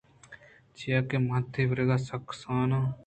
چیاکہ من تئی وَرَگءَ سکّ کساناں